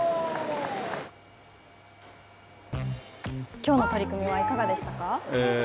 きょうの取組はいかがでしたか？